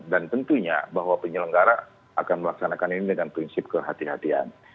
dan tentunya bahwa penyelenggara akan melaksanakan ini dengan prinsip kehatian